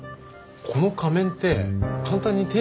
この仮面って簡単に手に入るんでしたっけ？